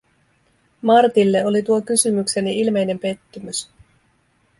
Martille oli tuo kysymykseni ilmeinen pettymys.